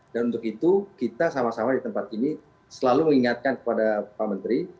untuk itu kita sama sama di tempat ini selalu mengingatkan kepada pak menteri